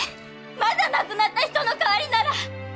まだ亡くなった人の代わりなら。